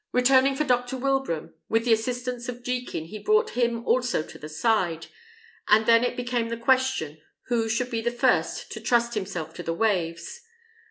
Returning for Dr. Wilbraham, with the assistance of Jekin he brought him also to the side; and then it became the question who should be the first to trust himself to the waves.